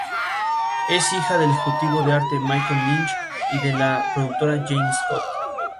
Es hija del ejecutivo de arte Michael Lynch y de la productora Jane Scott.